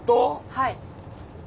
はい。